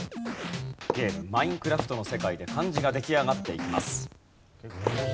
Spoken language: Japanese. ゲーム『マインクラフト』の世界で漢字が出来上がっていきます。